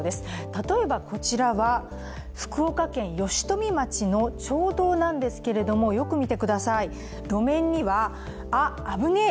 例えばこちら福岡県吉富町の町道なんですけどもよく見てください、路面にはあ、危なえ！